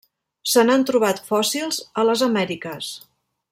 Se n'han trobat fòssils a les Amèriques.